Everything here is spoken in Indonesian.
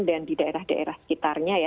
dan di daerah daerah sekitarnya ya